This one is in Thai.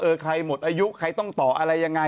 ใครหมดอายุใครต้องต่ออะไรยังไง